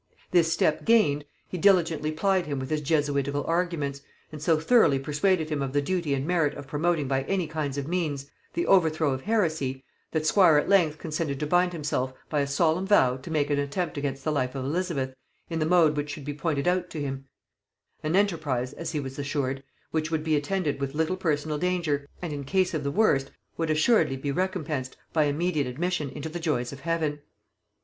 This step gained, he diligently plied him with his jesuitical arguments, and so thoroughly persuaded him of the duty and merit of promoting by any kind of means the overthrow of heresy, that Squire at length consented to bind himself by a solemn vow to make an attempt against the life of Elizabeth in the mode which should be pointed out to him: an enterprise, as he was assured, which would be attended with little personal danger, and, in case of the worst, would assuredly be recompensed by an immediate admission into the joys of heaven.